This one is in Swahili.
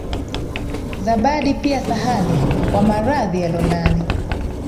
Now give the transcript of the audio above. Zabadi pia sahali, kwa maradhi yalondani,